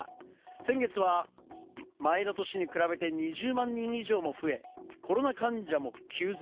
先月は前の年に比べて２０万人以上も増え、コロナ患者も急増。